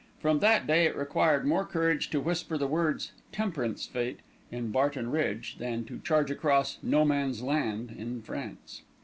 From that day it required more courage to whisper the words "Temperance Fête" in Barton Bridge, than to charge across "No Man's Land" in France.